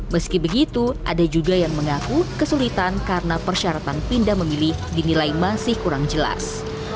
meski begitu ada juga yang mengaku kesulitan karena persyaratan pindah memilih dinilai masih kurang jelas